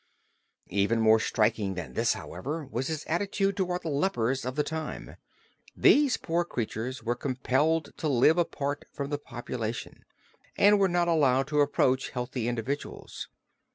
Even more striking than this however, was his attitude toward the lepers of the time. These poor creatures were compelled to live apart from the population and were not allowed to approach healthy individuals.